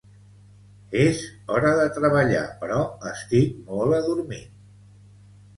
És hora de treballar, però estic molt adormit